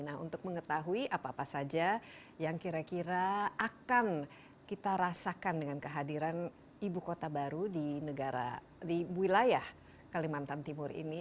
nah untuk mengetahui apa apa saja yang kira kira akan kita rasakan dengan kehadiran ibu kota baru di negara di wilayah kalimantan timur ini